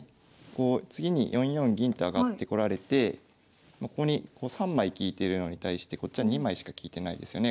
こう次に４四銀と上がってこられてここに３枚利いてるのに対してこっちは２枚しか利いてないですよね